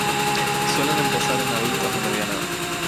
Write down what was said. Suelen empezar en adultos de mediana edad.